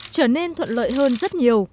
trở nên thuận lợi hơn rất nhiều